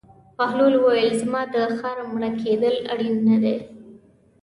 بهلول وویل: زما د خر مړه کېدل اړین نه دي.